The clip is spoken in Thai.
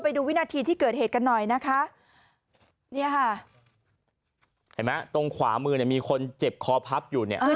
พยายามเข้าไป